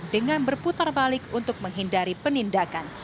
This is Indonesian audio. dengan berputar balik untuk menghindari penindakan